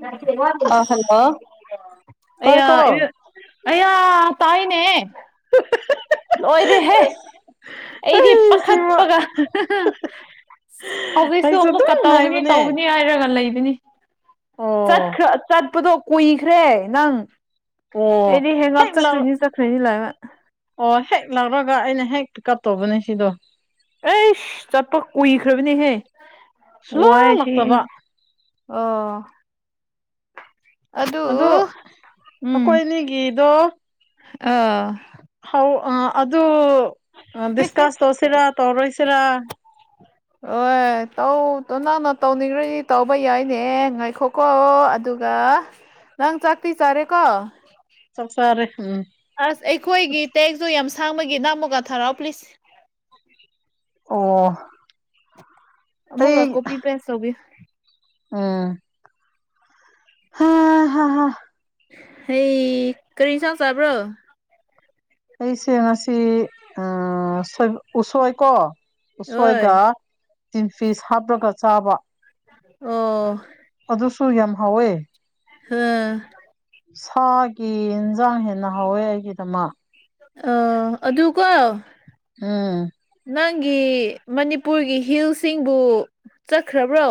Hello ꯑꯌꯥ ꯇꯥꯏꯀꯣ ꯑꯌꯥ ꯇꯥꯏꯌꯦꯅꯦ ꯂꯣꯏꯔꯦꯍꯦ ꯑꯩꯗꯤ ꯑꯩ ꯁꯤꯃ ꯄꯥꯈꯠꯄꯒ ꯍꯧꯖꯤꯛꯁꯨ ꯑꯩꯁꯨ ꯑꯗꯨꯝ ꯑꯃꯨꯛꯀ ꯇꯧꯒꯅꯤ ꯉꯥꯏꯕꯅꯦ ꯇꯧꯒꯅꯤ ꯍꯥꯏꯔꯒ ꯂꯩꯕꯅꯤ ꯑꯣ ꯆꯠꯈ꯭ꯔꯥ ꯆꯠꯄꯗꯣ ꯀꯨꯏꯈ꯭ꯔꯦ ꯅꯪ ꯑꯣ ꯑꯩꯗꯤ ꯍꯦꯡ ꯑꯥꯎꯠ ꯍꯦꯛ ꯂꯥꯎ ꯆꯠꯈ꯭ꯔꯥꯅꯤ ꯆꯠꯈ꯭ꯔꯦꯅ ꯂꯩꯕ ꯑꯣ ꯍꯦꯛ ꯂꯧꯔꯒ ꯑꯩꯅ ꯍꯦꯛ ꯄꯤꯛꯑꯞ ꯇꯧꯕꯅꯦ ꯁꯤꯗꯣ ꯑꯩꯁ ꯆꯠꯄ ꯀꯨꯏꯈ꯭ꯔꯥꯕꯅꯤꯍꯦ ꯁꯨꯂꯥꯛ ꯋꯥꯏꯁꯦ ꯂꯥꯛꯇꯕ ꯑꯣ ꯑꯗꯨ ꯎꯝ ꯃꯤꯒꯤꯗꯣ ꯑꯥ ꯍꯧ ꯑꯥ ꯑꯗꯨ ꯗꯤꯁꯀꯁ ꯇꯧꯁꯤꯔꯥ ꯇꯧꯔꯣꯏꯁꯤꯔꯥ ꯑꯣꯌꯦ ꯇꯧ ꯇꯧ ꯅꯪꯅ ꯇꯧꯅꯤꯡꯉꯗꯤ ꯇꯧꯕ ꯌꯥꯏꯅꯦ ꯉꯥꯏꯈꯣꯀꯣ ꯑꯗꯨ ꯒ ꯅꯪ ꯆꯥꯛꯇꯤ ꯆꯥꯔꯦꯀꯣ ꯆꯥꯛ ꯆꯥꯔꯦ ꯎꯝ ꯑꯁ ꯑꯩꯈꯣꯏꯒꯤ ꯇꯦꯛꯇꯣ ꯌꯥꯝ ꯁꯥꯡꯕꯒꯤ ꯅꯪ ꯑꯃꯨꯛꯀ ꯊꯥꯔꯛꯑꯣ ꯄ꯭ꯂꯤꯁ ꯑꯣ ꯑꯃꯨꯛꯀ ꯑꯩ ꯀꯣꯄꯤ ꯄꯦꯁ ꯇꯧꯕꯤꯌꯨ ꯎꯝ ꯍꯥ ꯍꯥ ꯍꯥ [unintelligible] ꯀꯔꯤ ꯏꯟꯁꯥꯡ ꯆꯥꯕ꯭ꯔꯣ? ꯑꯩꯁꯦ ꯉꯁꯤ ꯎꯁꯣꯏꯀꯣ꯫ ꯍꯣꯏ ꯎꯁꯣꯏꯒ ꯇꯤꯟꯐꯤꯁ ꯍꯥꯞꯔꯒ ꯆꯥꯕ꯫ ꯑꯣ ꯑꯗꯨꯁꯨ ꯌꯥꯝ ꯍꯥꯎꯋꯦ꯫ [unintelligible] ꯁꯥꯒꯤ ꯏꯟꯁꯥꯡ ꯍꯦꯟꯅ ꯍꯥꯋꯦ ꯑꯩꯒꯤꯗꯃꯛ꯫ ꯑꯣ ꯑꯗꯨ ꯀꯣ, ꯎꯝ ꯅꯪꯒꯤ ꯃꯅꯤꯄꯨꯔꯒꯤ ꯍꯤꯜꯁꯤꯡꯕꯨ ꯆꯠꯈ꯭ꯔꯕ꯭ꯔꯣ?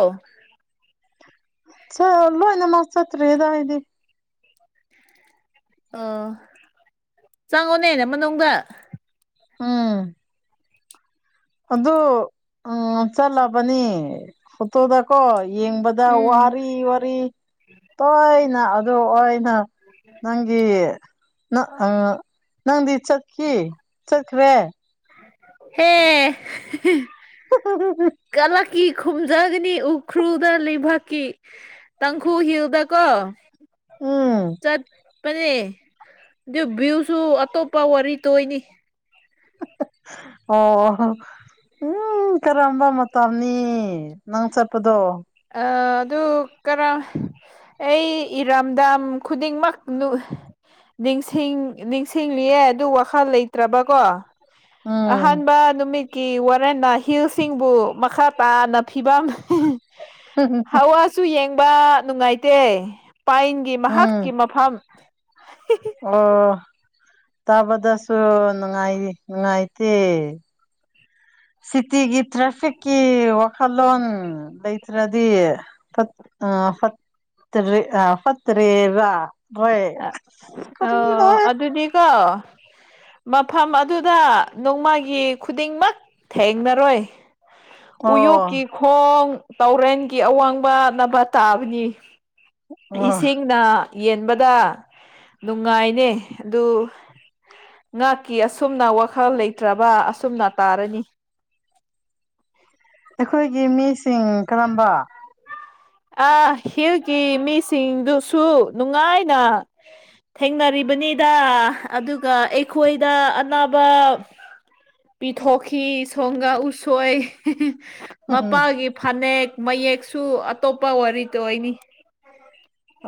ꯆꯂꯣ ꯂꯣꯏꯅꯃꯛ ꯆꯠꯇ꯭ꯔꯤꯗ ꯑꯩꯗꯤ꯫ ꯑꯣ ꯆꯪꯉꯣꯅꯦ ꯃꯅꯨꯡꯗ꯫ ꯎꯝ ꯑꯗꯨꯗꯨ ꯎꯝ ꯆꯂꯕꯅꯦ ꯐꯣꯇꯣꯗꯀꯣ ꯌꯦꯡꯕꯗ ꯎꯝ ꯋꯥꯔꯤ ꯋꯥꯔꯤ꯫ ꯇꯣꯏꯅ ꯑꯗꯨ ꯑꯣꯏꯅ꯫ ꯅꯪꯒꯤ ꯑꯥ ꯅꯪꯗꯤ ꯆꯠꯈꯤ ꯆꯠꯈ꯭ꯔꯦ? ꯍꯦ [unintelligible] [unintelligible] ꯀꯂꯛꯀꯤ ꯈꯨꯝꯖꯒꯅꯤ ꯎꯈ꯭ꯔꯨꯜꯗ ꯂꯩꯕꯥꯛꯀꯤ꯫ ꯇꯪꯈꯨꯜ ꯍꯤꯜꯗ ꯀꯣ ꯎꯝ ꯆꯠ ꯄꯅꯦ ꯑꯗꯨ ꯚ꯭ꯌꯨꯁꯨ ꯑꯇꯣꯞꯄ ꯋꯥꯔꯤ ꯇꯣꯏꯅꯤ꯫ ꯑꯣ ꯎꯝ ꯀꯔꯝꯕ ꯃꯇꯝꯅꯤ ꯅꯪ ꯆꯠꯄꯗꯣ? ꯑ ꯑꯗꯨ ꯀꯔ ꯑꯩ ꯏꯔꯝꯗꯝ ꯈꯨꯗꯤꯡꯃꯛ ꯅꯤꯡꯁꯤꯡ ꯅꯤꯡꯁꯤꯡꯂꯤꯌꯦ ꯑꯗꯨ ꯋꯥꯈꯜ ꯂꯩꯇ꯭ꯔꯕꯀꯣ꯫ ꯎꯝ ꯑꯍꯥꯟꯕ ꯅꯨꯃꯤꯠ ꯀꯤ ꯋꯥꯔꯦꯅ ꯍꯤꯜꯁꯤꯡꯕꯨ ꯃꯈꯥ ꯇꯥꯅ ꯐꯤꯕꯝ [unintelligible] ꯍꯥꯋꯥꯁꯨ ꯌꯦꯡꯕ ꯅꯨꯡꯉꯥꯏꯇꯦ ꯄꯥꯏꯟ ꯒꯤ ꯎꯝ ꯃꯍꯥꯛꯀꯤ ꯃꯐꯝ꯫ ꯑꯣ ꯇꯥꯕꯗꯁꯨ ꯅꯨꯡꯉꯥꯏ ꯅꯨꯡꯉꯥꯏꯇꯦ꯫ ꯁꯤꯇꯤꯒꯤ ꯇ꯭ꯔꯥꯐꯤꯛꯀꯤ꯫ [unintelligible] ꯂꯣꯡ ꯂꯩꯇ꯭ꯔꯗꯤ ꯐꯠ ꯐꯠꯇꯦ ꯑ ꯐꯠꯇ꯭ꯔꯦ ꯔꯥ꯫ ꯑꯣ ꯑꯗꯨꯗꯤꯀꯣ꯫ ꯃꯐꯝ ꯑꯗꯨꯗ ꯅꯣꯡꯃꯒꯤ ꯈꯨꯗꯤꯡꯃꯛ ꯊꯦꯡꯅꯔꯣꯏ꯫ ꯑꯣ ꯎꯌꯣꯛꯀꯤ ꯈꯣꯡ ꯇꯧꯔꯦꯟꯒꯤ ꯑꯋꯥꯡꯕ ꯅꯕ ꯇꯥꯕꯅꯤ꯫ ꯑꯣ ꯏꯁꯤꯡꯅ ꯌꯦꯟꯕꯗ ꯅꯨꯡꯉꯥꯏꯅꯦ ꯑꯗꯨ ꯉꯍꯥꯛꯀꯤ ꯑꯁꯨꯝꯅ ꯋꯥꯈꯜ ꯂꯩꯇ꯭ꯔꯕ ꯑꯁꯨꯝꯅ ꯇꯥꯔꯅꯤ꯫ ꯑꯩꯈꯣꯏꯒꯤ ꯃꯤꯁꯤꯡ ꯀꯔꯝꯕ? ꯑ ꯍꯤꯜꯒꯤ ꯃꯤꯁꯤꯡꯗꯨꯁꯨ ꯅꯨꯡꯉꯥꯏꯅ ꯊꯦꯡꯅꯔꯤꯕꯅꯤꯗ ꯑꯗꯨꯒ ꯑꯩꯈꯣꯏꯗ ꯑꯅꯥꯕ, ꯄꯤꯊꯣꯛꯈꯤ ꯁꯣꯡꯒꯥ ꯎꯁꯣꯏ [unintelligible] ꯃꯄꯥꯒꯤ ꯐꯅꯦꯛ ꯃꯌꯦꯛꯁꯨ ꯑꯇꯣꯞꯄ ꯋꯥꯔꯤꯇ ꯑꯣꯏꯅꯤ꯫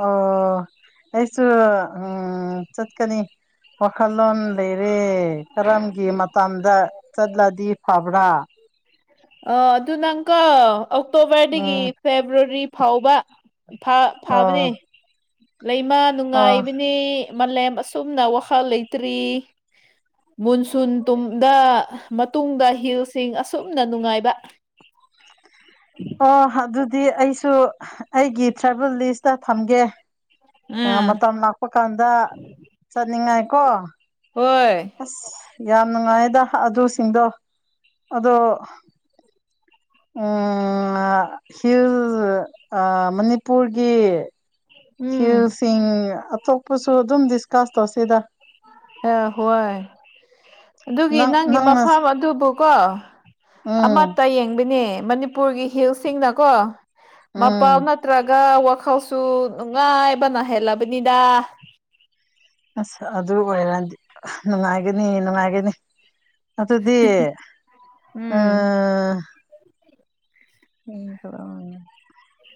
ꯑꯣ ꯑꯩꯁꯨ ꯎꯝ ꯆꯠꯀꯅꯤ ꯋꯥꯈꯜꯂꯣꯟ ꯂꯩꯔꯦ ꯀꯔꯝꯒꯤ ꯃꯇꯝꯗ ꯆꯠꯂꯗꯤ ꯐꯕ꯭ꯔꯥ ꯑꯣ ꯑꯗꯨ ꯅꯪꯀꯣ ꯑꯣꯛꯇꯣꯕꯔꯗꯒꯤ ꯎꯝ ꯐꯦꯕ꯭ꯔꯋꯥꯔꯤ ꯐꯥꯎꯕ ꯐꯥ ꯑꯣ ꯐꯥꯕꯅꯤ ꯂꯩꯃ ꯑꯣ ꯅꯨꯡꯉꯥꯏꯕꯅꯤ ꯃꯥꯂꯦꯝ ꯑꯁꯨꯝꯅ ꯋꯥꯈꯜ ꯂꯩꯇ꯭ꯔꯤ ꯃꯨꯟꯁꯨꯟ ꯇꯨꯝꯗ ꯃꯇꯨꯡꯗ ꯍꯤꯜꯁꯤꯡ ꯑꯁꯨꯝꯅ ꯅꯨꯡꯉꯥꯏꯕ ꯑꯣ ꯑꯗꯨꯗꯤ ꯑꯩꯁꯨ ꯑꯩꯒꯤ ꯇ꯭ꯔꯥꯕꯦꯜ ꯂꯤꯁꯇ ꯊꯝꯒꯦ ꯑ ꯎꯝ ꯃꯇꯝ ꯂꯥꯛꯄ ꯀꯥꯟꯗ ꯆꯠꯅꯤꯡꯉꯥꯏ ꯀꯣ ꯍꯣꯏ ꯑꯁ ꯌꯥꯝ ꯅꯨꯡꯉꯥꯏꯌꯦꯗ ꯑꯗꯨꯁꯤꯡꯗꯣ ꯑꯗꯣ ꯎꯝ ꯑꯥ ꯍꯤꯜ ꯑꯥ ꯃꯅꯤꯄꯨꯔꯒꯤ ꯎꯝ ꯍꯤꯜꯁꯤꯡ ꯑꯇꯣꯞꯄꯁꯨ ꯑꯗꯨꯝ ꯗꯤꯁꯀꯥꯁ ꯇꯧꯁꯦꯗ ꯑ ꯍꯣꯏ ꯑꯗꯨꯒꯤ ꯅꯪ ꯅꯪꯒꯤ ꯅꯪꯅ ꯃꯐꯝ ꯑꯗꯨꯕꯨꯀꯣ ꯎꯝ ꯑꯃꯠꯇ ꯌꯦꯡꯕꯅꯦ ꯃꯅꯤꯄꯨꯔꯒꯤ ꯍꯤꯜꯁꯁꯤꯡꯅꯀꯣ ꯃꯄꯥꯜ ꯉꯛ ꯎꯝ ꯅꯠꯇ꯭ꯔꯒ ꯋꯥꯈꯜꯁꯨ ꯅꯨꯡꯉꯥꯏꯕꯅ ꯍꯦꯜꯂꯕꯅꯤꯗ ꯑꯁ ꯑꯗꯨ ꯑꯣꯏꯔꯗꯤ ꯅꯨꯡꯉꯥꯏꯒꯅꯤ ꯅꯨꯡꯉꯥꯏꯒꯅꯤ ꯑꯗꯨꯗꯤ ꯎꯝ ꯑꯥ [unintelligible]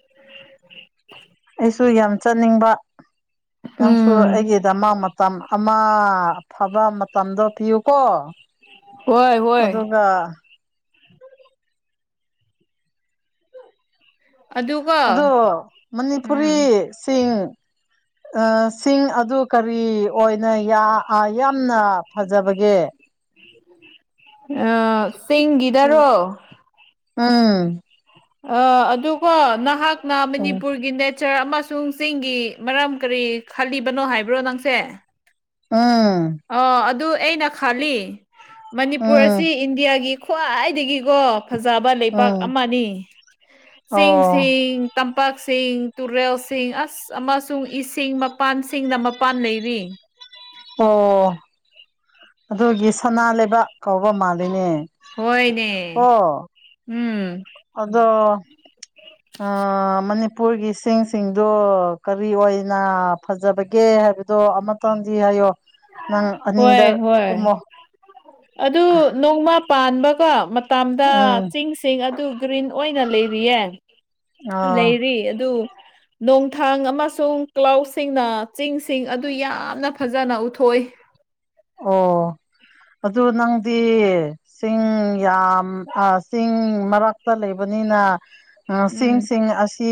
[unintelligible] ꯑꯩꯁꯨ ꯌꯥꯝ ꯆꯠꯅꯤꯡꯕ ꯅꯪꯁꯨ ꯎꯝ ꯑꯩꯒꯤꯗꯃꯛ ꯃ ꯇꯝ ꯑꯃ ꯑꯐꯕ ꯃꯇꯝꯗꯣ ꯄꯤꯌꯨꯀꯣ ꯍꯣꯏ ꯍꯣꯏ ꯑꯗꯨꯒ ꯑꯗꯨꯒ ꯑꯗꯣ ꯃꯅꯤꯄꯨꯔꯤ ꯎꯝ ꯁꯤꯡ ꯑ ꯁꯤꯡ ꯑꯗꯨ ꯀꯔꯤ ꯑꯣꯏꯅ ꯌꯥ ꯑ ꯌꯥꯝꯅ ꯐꯖꯕꯒꯦ ꯑ ꯆꯤꯡꯒꯤꯗꯔꯣ ꯑꯝ ꯑ ꯑꯗꯨꯒꯣ ꯅꯍꯥꯛꯅ ꯎꯝ ꯃꯅꯤꯄꯨꯔꯒꯤ ꯅꯦ ꯆꯔ ꯑꯃꯁꯨꯡ ꯆꯤꯡꯒꯤ ꯃꯔꯝ ꯀꯔꯤ ꯈꯜꯂꯤꯕꯅꯣ ꯍꯥꯏꯕ꯭ꯔꯣ ꯅꯪꯁꯦ ꯎꯝ ꯑꯣ ꯑꯗꯨ ꯑꯩꯅ ꯈꯜꯂꯤ ꯃꯅꯤꯄꯨꯔ ꯎꯝ ꯑꯁꯤ ꯏꯟꯗꯤꯌꯥꯒꯤ ꯈ꯭ꯋꯥꯏꯗꯒꯤꯀꯣ ꯐꯖꯕ ꯂꯩꯄꯥꯛ ꯎꯝ ꯑꯃꯅꯤ ꯑꯣ ꯆꯤꯡꯁꯤꯡ ꯇꯝꯄꯛꯁꯤꯡ ꯇꯨꯔꯦꯜ ꯁꯤꯡ ꯑꯁ ꯑꯃꯁꯨꯡ ꯏꯁꯤꯡ ꯃꯄꯥꯟꯁꯤꯡꯅ ꯃꯄꯥꯟ ꯂꯩꯔꯤ ꯑꯣ ꯑꯗꯨꯒꯤ ꯁꯅꯥ ꯂꯩꯕꯥꯛ ꯀꯧꯕ ꯃꯥꯜꯂꯤꯅꯦ ꯍꯣꯏꯅꯦ ꯑꯣ ꯎꯝ ꯑꯗꯣ [unintelligible] ꯑ ꯃꯅꯤꯄꯨꯔꯒꯤ ꯆꯤꯡꯁꯤꯡꯗꯣ ꯀꯔꯤ ꯑꯣꯏꯅ ꯐꯖꯕꯒꯦ ꯍꯥꯏꯕꯗꯣ ꯑꯃꯛ ꯇꯪꯗꯤ ꯍꯥꯏꯌꯣ ꯅꯪ ꯑꯅꯤꯗ ꯍꯣꯏ ꯍꯣꯏ ꯀꯨꯝꯃꯣ ꯑꯗꯨ ꯅꯣꯡꯃ ꯄꯥꯟꯕꯀꯣ ꯃꯇꯝꯗ ꯎꯝ ꯆꯤꯡ ꯁꯤꯡ ꯑꯗꯨ ꯒ꯭ꯔꯤꯟ ꯑꯣꯏꯅ ꯂꯩꯔꯤꯌꯦ ꯑꯥ ꯂꯩꯔꯤ ꯑꯗꯨ ꯅꯣꯡꯊꯥꯡ ꯑꯃꯁꯨꯡ ꯀ꯭ꯂꯥꯎꯁꯤꯡꯅ ꯆꯤꯡꯁꯤꯡ ꯑꯗꯨ ꯌꯥꯝꯅ ꯐꯖꯅ ꯎꯠꯊꯣꯛꯢ ꯑꯣ ꯑꯗꯨ ꯅꯪꯗꯤ ꯆꯤꯡ ꯌꯥꯝ ꯑꯥ ꯆꯤꯡ ꯃꯔꯛꯇ ꯂꯩꯕꯅꯤꯅ ꯑ ꯎꯝ ꯆꯤꯡꯁꯤꯡ ꯑꯁꯤ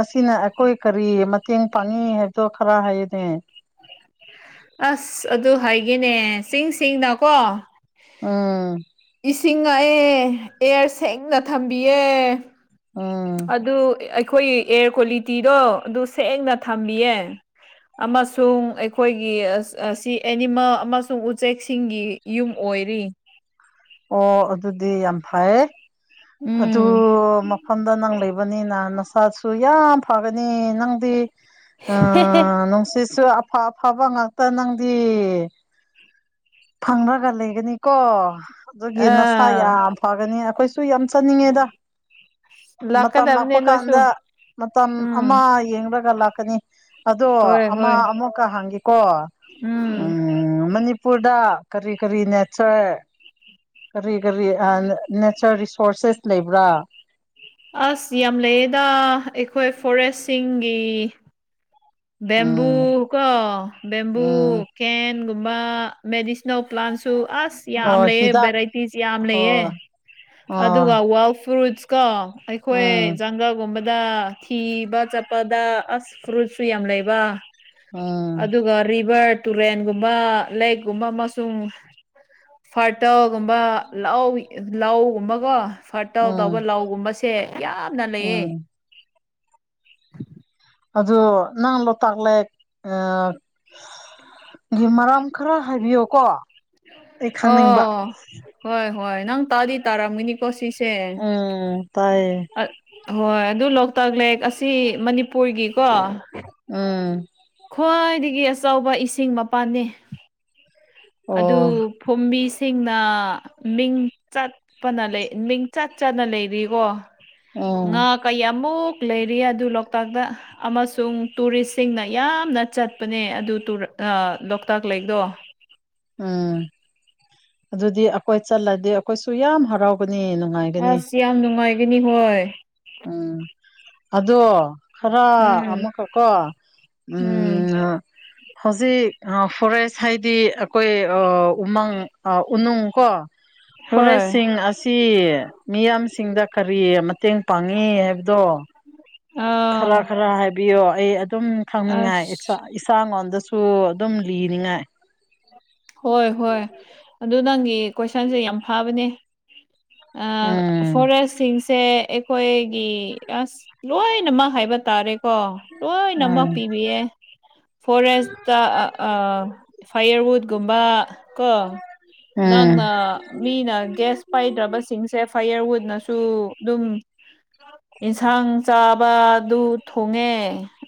ꯑꯁꯤꯅ ꯑꯈꯣꯏ ꯀꯔꯤ ꯃꯇꯦꯡ ꯄꯥꯡꯉꯤ ꯍꯥꯏꯕꯗꯣ ꯈꯥꯔꯥ ꯍꯥꯏꯌꯨꯅꯦ ꯑꯁ ꯑꯗꯨ ꯍꯥꯏꯒꯦꯅꯦ ꯁꯤꯡ ꯁꯤꯡꯅꯀꯣ ꯎꯝ ꯏꯁꯤꯡꯉꯛꯑꯦ ꯑꯦꯌꯔ ꯁꯦꯡꯅ ꯊꯝꯕꯤꯌꯦ ꯎꯝ ꯑꯗꯨ ꯑꯩꯈꯣꯏꯒꯤ ꯑꯦꯌꯔ ꯀ꯭ꯋꯥꯂꯤꯇꯤꯗꯣ ꯑꯗꯨ ꯁꯦꯡꯅ ꯊꯝꯂꯤꯌꯦ ꯑꯃꯁꯨꯡ ꯑꯩꯈꯣꯏꯒꯤ ꯑꯁ ꯑꯁ ꯑꯁꯤ ꯑꯦꯅꯤꯃꯜ ꯑꯃꯁꯨꯡ ꯎꯆꯦꯛꯁꯤꯡꯒꯤ ꯌꯨꯝ ꯑꯣꯏꯔꯤ ꯑꯣ ꯑꯗꯨꯗꯤ ꯌꯥꯝ ꯐꯩꯌꯦ ꯎꯝ ꯗꯨ ꯃꯐꯝꯗ ꯅꯪ ꯂꯩꯕꯅꯤꯅ ꯅꯁꯥꯁꯨ ꯌꯥꯝ ꯐꯒꯅꯤ ꯅꯪꯗꯤ ꯑ ꯅꯨꯡꯁꯤꯠꯁꯨ ꯑꯐ ꯑꯐꯕ ꯉꯥꯛꯇ ꯅꯪꯗꯤ ꯐꯪꯔꯒ ꯂꯩꯒꯅꯤ ꯀꯣ ꯑꯗꯨꯒꯤ ꯅꯁꯥ ꯑꯥ ꯌꯥꯝ ꯐꯒꯅꯤ ꯑꯈꯣꯏꯁꯨ ꯁꯨ ꯌꯥꯝ ꯆꯠꯅꯤꯡꯉꯦꯗ ꯃꯇꯝ ꯂꯥꯛꯀꯗꯕꯅꯦ ꯂꯥꯛꯄ ꯀꯥꯟꯗ ꯅꯣꯏꯁꯨ ꯃꯇꯝ ꯑꯃ ꯎꯝ ꯌꯦꯡꯔꯒ ꯂꯥꯛꯀꯅꯤ ꯑꯗꯣ ꯍꯣꯏ ꯑꯃ ꯍꯣꯏ ꯑꯃꯨꯛꯀ ꯍꯥꯡꯒꯦꯀꯣ ꯎꯝ ꯎꯝ ꯃꯅꯤꯞ ꯗ ꯀꯔꯤ ꯀꯔꯤ ꯅꯦꯆꯔ ꯀꯔꯤ ꯀꯔꯤ ꯑ ꯅꯦꯆꯔ ꯔꯤꯁꯣꯔꯁꯦꯁ ꯂꯩꯕ꯭ꯔꯥ ꯑꯁ ꯌꯥꯝ ꯂꯩꯌꯦꯗ ꯑꯩꯈꯣꯏ ꯐꯣꯔꯦꯁꯁꯤꯡꯒꯤ ꯕꯦꯝꯕꯨ ꯎꯝ ꯀꯣ ꯕꯦꯝꯕꯨ ꯎꯝ ꯀꯦꯟꯒꯨꯝꯕ ꯃꯦꯗꯤꯁꯤ ꯏꯅꯧ ꯄ꯭ꯂꯥꯟꯁꯨ ꯑꯁ ꯌꯥꯝ ꯑꯣ ꯂꯩꯌꯦ ꯍꯤꯗꯥꯛ ꯚꯦꯔꯥꯏꯇꯤꯁ ꯌꯥꯝ ꯂꯩꯌꯦ ꯍꯣꯏ ꯍꯣꯏ ꯑꯗꯨꯒ ꯋꯥꯏꯜ ꯐ꯭ꯔꯨꯠꯁ ꯀꯣ ꯑꯩꯈꯣꯏ ꯎꯝ ꯖꯪꯒꯜ ꯒꯨꯝꯕꯗ ꯊꯤꯕ ꯆꯠꯄꯗ ꯑꯁ ꯐ꯭ꯔꯨꯠ ꯁꯨ ꯌꯥꯝ ꯂꯩꯕ ꯎꯝ ꯑꯗꯨꯒ ꯔꯤꯚꯔ ꯇꯨꯔꯦꯟꯒꯨꯝꯕ ꯂꯦꯛꯒꯨꯝꯕ ꯑꯃꯁꯨꯡ ꯐꯔꯇꯜꯒꯨꯝꯕ ꯂꯧ ꯂꯧꯒꯨꯝꯕꯀꯣ ꯐꯔꯇꯜ ꯇꯧꯕ ꯎꯝ ꯂꯧꯒꯨꯝꯕꯁꯦ ꯌꯥꯝꯅ ꯂꯩꯌꯦ ꯎꯝ ꯑꯗꯨ ꯅꯪ ꯂꯣꯛꯇꯥꯛ ꯂꯦꯛ ꯑꯥ ꯒꯤ ꯃꯔꯝ ꯈꯔ ꯍꯥꯏꯕꯤꯌꯣꯀꯣ ꯑꯩ ꯈꯪꯅꯤꯡꯕ ꯑꯣ ꯍꯣꯏ ꯍꯣꯏ ꯅꯪ ꯇꯥꯗꯤ ꯇꯥꯔꯝꯒꯤꯅꯤꯀꯣ ꯁꯤꯁꯦ ꯎꯝ ꯇꯥꯢꯌꯦ ꯑꯠ ꯍꯣꯏ ꯑꯗꯨ ꯂꯣꯛꯇꯥꯛ ꯂꯦꯛ ꯑꯁꯤ ꯃꯅꯤꯄꯨꯔꯒꯤꯀꯣ ꯎꯝ ꯈ꯭ꯋꯥꯏꯗꯒꯤ ꯑꯆꯧꯕ ꯏꯁꯤꯡ ꯃꯄꯥꯟꯅꯦ ꯑꯗꯨ ꯑꯣ ꯐꯨꯝꯕꯤꯁꯤꯡꯅ ꯃꯤꯡ ꯆꯠ ꯄꯅ ꯂꯦ ꯃꯤꯡ ꯆꯠ ꯆꯠꯅ ꯂꯩꯔꯤꯀꯣ ꯎꯝ ꯉꯥ ꯀꯌꯥꯃꯨꯛ ꯂꯩꯔꯤ ꯑꯗꯨ ꯂꯣꯛꯇꯥꯛꯗ ꯑꯃꯁꯨꯡ ꯇꯨꯔꯤꯁꯁꯤꯡꯅ ꯌꯥꯝꯅ ꯆꯠꯄꯅꯦ ꯑꯗꯨ ꯇꯨꯔ ꯑꯥ ꯂꯣꯛꯇꯥꯛ ꯂꯦꯛꯗꯣ ꯎꯝ ꯑꯗꯨꯗꯤ ꯑꯈꯣꯏ ꯆꯠꯂꯗꯤ ꯑꯈꯣꯏꯁꯨ ꯌꯥꯝ ꯍꯔꯥꯎꯒꯅꯤ ꯅꯨꯡ ꯉꯥꯏꯒꯅꯤ ꯑꯁ ꯌꯥꯝ ꯅꯨꯡꯉꯥꯏꯒꯅꯤ ꯍꯣꯏ ꯎꯝ ꯑꯗꯣ ꯈꯔ ꯎꯝ ꯑꯃꯨꯛꯀꯀꯣ ꯎꯝ ꯍꯧꯖꯤꯛ ꯉ ꯐꯣꯔꯦꯁ ꯍꯥꯏꯗꯤ ꯑꯀꯣꯏ ꯑꯥ ꯎꯃꯪ ꯑꯥ ꯎꯅꯨꯡ ꯀꯣ ꯍꯣꯏ ꯐꯣꯔꯦꯁꯁꯤꯡ ꯑꯁꯤ ꯃꯤꯌꯥꯝꯁꯤꯡꯗ ꯀꯔꯤ ꯃꯇꯦꯡ ꯄꯥꯡꯉꯤ ꯍꯥꯏꯕꯗꯣ [unintelligible] ꯈꯔ ꯈꯔ ꯍꯥꯏꯕꯤꯌꯣ ꯑꯩ ꯑꯗꯨꯝ ꯈꯪꯅꯤꯡꯉꯥꯏ ꯑꯁ [unintelligible] ꯏꯁꯥꯡ ꯂꯣꯟꯗꯁꯨ ꯑꯗꯨꯝ ꯂꯤꯅꯤꯉꯥꯏ ꯍꯣꯏ ꯍꯣꯏ ꯑꯗꯨ ꯅꯪꯒꯤ ꯀꯣꯏꯁꯟꯁꯦ ꯌꯥꯝ ꯐꯥꯕꯅꯦ ꯑ ꯎꯝ ꯐꯣꯔꯦꯁꯁꯤꯡꯁꯦ ꯑꯩꯈꯣꯏꯒꯤ ꯑꯁ ꯂꯣꯏꯅꯃꯛ ꯍꯥꯏꯕ ꯇꯥꯔꯦꯀꯣ ꯂꯣꯏꯅꯃꯛ ꯎꯝ ꯄꯤꯕꯤꯌꯦ ꯐꯣꯔꯦꯁꯇ ꯑ ꯑꯥ ꯐꯥꯌꯔꯋꯨꯠꯀꯨꯝꯕ ꯀꯣ ꯎꯝ ꯅꯪꯅ ꯃꯤꯅ ꯒ꯭ꯌꯥꯁ ꯄꯥꯏꯗ꯭ꯔꯕꯁꯤꯡꯁꯦ ꯐꯥꯌꯔꯋꯨꯠꯅꯁꯨ ꯗꯨꯝ ꯏꯟꯁꯥꯡ ꯆꯥꯕꯗꯨ ꯊꯣꯡꯉꯦ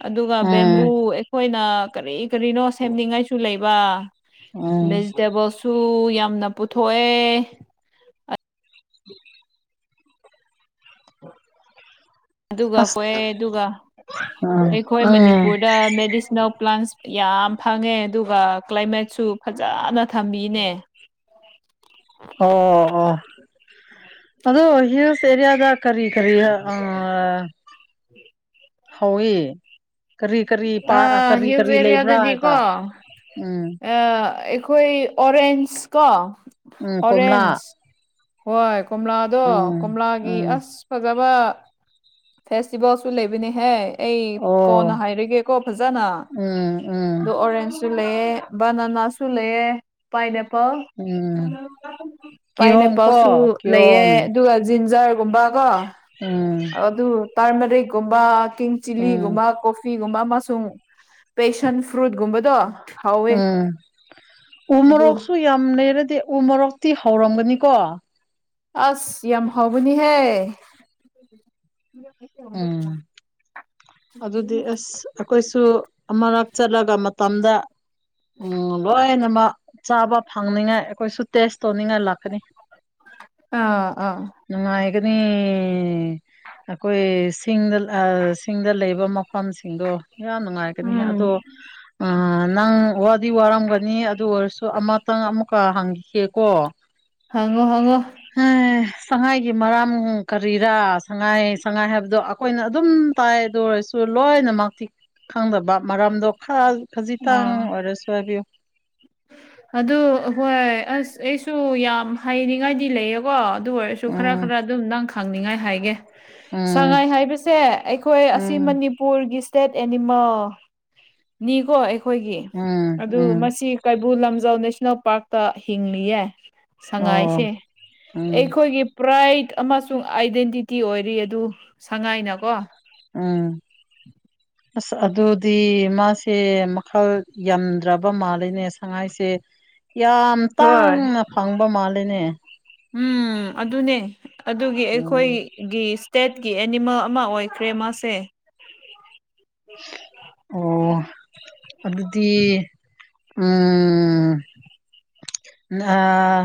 ꯑꯗꯨꯒ ꯕꯦꯝꯕꯨ ꯎꯝ ꯑꯩꯈꯣꯏꯅ ꯀꯔꯤ ꯀꯔꯤꯅꯣ ꯁꯦꯝꯅꯤꯡꯉꯥꯏꯁꯨ ꯂꯩꯕ ꯎꯝ [unintelligible] ꯇꯦꯕꯜꯁꯨ ꯌꯥꯝꯅ ꯄꯨꯊꯣꯛꯑꯦ [inaudible] ꯑꯗꯨꯒ [unintelligible] ꯑꯁ ꯑꯗꯨꯒ ꯎꯝ ꯑꯩꯈꯣꯏ ꯎꯝ ꯃꯅꯤꯄꯨꯔꯗ ꯃꯦꯗꯤꯁꯤꯅꯦꯜ ꯄ꯭ꯂꯥꯟꯁ ꯌꯥꯝ ꯐꯪꯉꯦ ꯑꯗꯨꯒ ꯀ꯭ꯂꯥꯏꯃꯦꯠꯁꯨ ꯐꯖꯅ ꯊꯝꯕꯤꯅꯦ ꯑꯣ ꯑꯣ ꯑꯗꯣ ꯍꯤꯜꯁ ꯑꯦꯔꯤꯌꯥꯗ ꯀꯔꯤ ꯀꯔꯤ ꯑꯥ ꯍꯧꯋꯤ ꯀꯔꯤ ꯀꯔꯤ ꯄꯥ ꯑ ꯀꯔꯤ ꯍꯤꯜꯁ ꯀꯔꯤ ꯂꯩꯕ꯭ꯔꯥ ꯍꯥꯏꯕ ꯎꯝ ꯑ ꯑꯩꯈꯣꯏ ꯑꯣꯔꯦꯟꯖ ꯀꯣ ꯎꯝ ꯀꯣꯝꯂꯥ ꯑꯣꯔꯦꯟꯖ ꯍꯣꯏ ꯀꯣꯝꯂꯥꯗꯣ ꯎꯝ ꯀꯣꯝꯂꯥꯒꯤ ꯎꯝ ꯑꯁ ꯐꯖꯕ ꯐꯦꯁꯇꯤꯚꯦꯜꯁꯨ ꯂꯩꯕꯅꯤꯍꯦ ꯑꯩ ꯀꯣꯟꯅ ꯑꯣ ꯍꯥꯏꯔꯒꯦ ꯀꯣ ꯐꯖꯅ ꯎꯝ ꯎꯝ ꯗꯣ ꯑꯣꯔꯦꯟꯖꯁꯨ ꯂꯩꯌꯦ ꯕꯅꯥꯅꯁꯨ ꯂꯩꯌꯦ ꯄꯥꯏꯅꯦꯄꯜ ꯎꯝ ꯀꯤꯍꯣꯝ ꯄꯥꯏꯅꯦꯄꯜꯁꯨ ꯀꯣ ꯂꯩꯌꯦ ꯀꯤꯍꯣꯝ ꯑꯗꯨꯒ ꯖꯤꯟꯖꯔꯒꯨꯝꯕ ꯀꯣ ꯎꯝ ꯑꯗꯨ ꯇꯥꯔꯃꯔꯤꯛꯀꯨꯝꯕ ꯀꯤꯡ ꯎꯝ ꯆꯤꯂꯤꯒꯨꯝꯕ ꯀꯣ ꯐꯤꯒꯨꯝꯕ ꯑꯃꯁꯨꯡ ꯄꯦꯁꯟ ꯐ꯭ꯔꯨꯠꯀꯨꯝꯕꯗꯣ ꯎꯝ ꯎ ꯑꯗꯨ ꯃꯣꯔꯣꯛꯁꯨ ꯌꯥꯝ ꯂꯩꯔꯗꯤ ꯎ ꯃꯣꯔꯣꯛꯇꯤ ꯍꯧꯔꯝꯒꯅꯤꯀꯣ ꯑꯁ ꯌꯥꯝ ꯍꯧꯕꯅꯤꯍꯦ ꯎꯝ ꯑꯗꯨꯗꯤ ꯑꯁ ꯑꯩꯈꯣꯏꯁꯨ ꯑꯃꯔꯛ ꯆꯠꯂꯒ ꯃꯇꯝꯗ ꯎꯝ ꯂꯣꯏ [unintelligible] ꯆꯥꯕ ꯐꯪꯅꯤꯉꯥꯏ ꯑꯩꯈꯣꯏꯁꯨ ꯇꯦꯁ ꯇꯧꯅꯤꯡꯉꯥꯏ ꯂꯥꯛꯀꯅꯤ ꯑꯥ ꯑꯥ ꯅꯨꯡꯉꯥꯏꯒꯅꯤ ꯑꯩꯈꯣꯏ ꯁꯤꯡꯗ ꯑ ꯁꯤꯡꯗ ꯂꯩꯕ ꯃꯐꯝꯁꯤꯡꯗꯣ ꯌꯥꯝ ꯅꯨꯡꯉꯥꯏꯒꯅꯤ ꯑꯗꯣ ꯎꯝ [inaudible] ꯅꯪ ꯋꯥꯗꯤ ꯋꯥꯔꯝꯒꯅꯤ ꯑꯗꯨ ꯑꯣꯏꯔꯁꯨ ꯑꯃꯇꯪ ꯑꯃꯨꯛꯀ ꯍꯪꯈꯤꯒꯦꯀꯣ ꯍꯪꯉꯣ ꯍꯪꯉꯣ [unintelligible] ꯁꯉꯥꯏꯒꯤ ꯃꯔꯝ ꯀꯔꯤꯔꯥ ꯁꯉꯥꯏ ꯁꯉꯥꯏ ꯍꯥꯏꯕꯗꯣ ꯑꯩꯈꯣꯏꯅ ꯑꯗꯨꯝ ꯇꯥꯏ ꯑꯗꯨ ꯑꯣꯏꯔꯁꯨ ꯂꯣꯏꯅꯃꯛ ꯊꯤꯛ ꯈꯪꯗꯕ ꯃꯔꯝꯗꯣ [unintelligible] ꯈꯖꯤꯛꯇꯪ ꯑꯥ ꯑꯣꯏꯔꯁꯨ ꯍꯥꯏꯕꯤꯌꯨ ꯑꯗꯨ ꯍꯣꯏ ꯑꯁ ꯑꯩꯁꯨ ꯌꯥꯝ ꯍꯥꯏꯅꯤꯡꯉꯥꯏꯗꯤ ꯂꯩꯌꯦꯀꯣ ꯑꯗꯨ ꯑꯣꯏ ꯁꯨ ꯈꯔ ꯎꯝ ꯈꯔ ꯑꯗꯨꯝ ꯅꯪ ꯈꯪꯅꯤꯡꯉꯥꯏ ꯍꯥꯏꯒꯦ ꯎꯝ ꯁꯉꯥꯏ ꯍꯥꯏꯕꯁꯦ ꯑꯩꯈꯣꯏ ꯑꯁꯤ ꯎꯝ ꯃꯅꯤ ꯄꯨꯨꯔꯒꯤ ꯏꯁ꯭ꯇꯦꯠ ꯑꯦꯅꯤꯃꯦꯜꯅꯤꯀꯣ ꯑꯩꯈꯣꯏꯒꯤ ꯎꯝ ꯑꯗꯨ ꯎꯝ ꯃꯁꯤ ꯀꯩꯕꯨꯜ ꯂꯝꯖꯥꯎ ꯅꯦꯁꯅꯦꯜ ꯄꯥꯔꯛꯇ ꯍꯤꯡꯂꯤꯌꯦ ꯑꯣ ꯁꯉꯥꯏꯁꯦ ꯎꯝ ꯑꯩꯈꯣꯏꯒꯤ ꯄ꯭ꯔꯥꯏꯠ ꯑꯃꯁꯨꯡ ꯑꯥꯏꯗꯦꯟꯇꯤꯇꯤ ꯑꯣꯏꯔꯤ ꯑꯗꯨ ꯁꯉꯥꯏꯅꯀꯣ ꯎꯨꯝ [inaudible] ꯑꯁ ꯑꯗꯨꯗꯤ ꯃꯥꯁꯦ ꯃꯈꯜ ꯌꯥꯝꯗ꯭ꯔꯕ ꯃꯥꯜꯂꯤꯅꯦ ꯁꯉꯥꯏꯁꯦ ꯌꯥꯝ ꯍꯣꯏ ꯇꯥꯡꯅ ꯐꯪꯕ ꯃꯥꯜꯂꯤꯅꯦ ꯎꯝ ꯑꯗꯨꯅꯦ ꯑꯗꯨꯒꯤ ꯑꯩꯈꯣꯏ ꯎꯝ ꯒꯤ ꯇꯦꯠꯀꯤ ꯑꯦꯅꯤꯃꯦꯜ ꯑꯃ ꯑꯣꯏꯈ꯭ꯔꯦ ꯃꯥꯁꯦ ꯑꯣ ꯑꯗꯨꯗꯤ ꯎꯨꯝ ꯑꯥ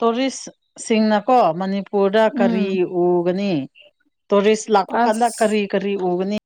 ꯇꯣꯔꯤꯁ ꯁꯤꯡꯅꯀꯣ ꯃꯅꯤꯄꯨꯔꯗ ꯀꯔꯤ ꯎꯝ ꯎꯒꯅꯤ ꯇꯣꯔꯤꯁ ꯂꯥꯛꯄ ꯀꯥꯟꯗ ꯑꯁ ꯀꯔꯤ ꯀꯔꯤ ꯎꯒꯅꯤ